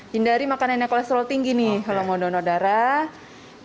hindari makanannya kolesterol tinggi nih kalau mau donor darah